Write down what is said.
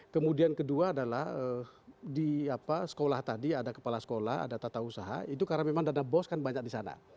kemudian kedua adalah di sekolah tadi ada kepala sekolah ada tata usaha itu karena memang dana bos kan banyak di sana